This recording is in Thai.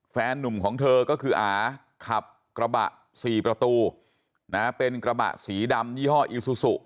แฟนนุ่มของเธอก็คืออาขับกระบะ๔ประตูเป็นกระบะสีดำยี่ห้ออีซูซู